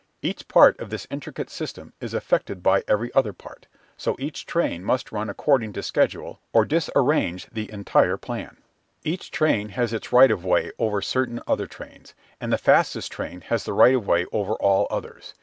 Each part of this intricate system is affected by every other part, so each train must run according to schedule or disarrange the entire plan. [Illustration: TRACK TANK] Each train has its right of way over certain other trains, and the fastest train has the right of way over all others.